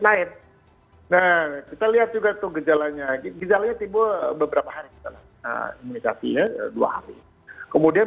lain kita lihat juga tuh gejalanya itu beberapa hari expert komunitasinya dua hari kemudian